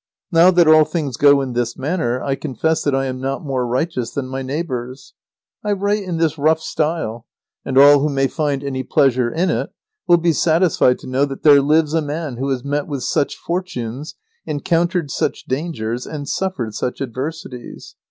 Now that all things go in this manner, I confess that I am not more righteous than my neighbours. I write in this rough style, and all who may find any pleasure in it will be satisfied to know that there lives a man who has met with such fortunes, encountered such dangers, and suffered such adversities.